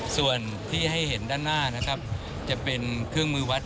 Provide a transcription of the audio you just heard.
ส่วนที่ให้เห็นด้านหน้านะครับจะเป็นเครื่องมือวัด